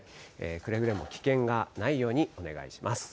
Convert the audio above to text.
くれぐれも危険がないようにお願いします。